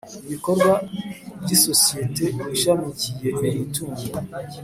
ibikorwa by isosiyeti ishamikiyeho iyo mitungo